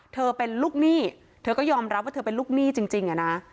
เธอเป็นลูกหนี้เธอก็ยอมรับว่าเธอเป็นลูกหนี้จริงอะนะ